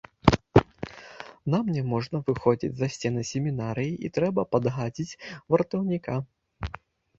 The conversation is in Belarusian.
Нам няможна выходзіць за сцены семінарыі і трэба падгадзіць вартаўніка.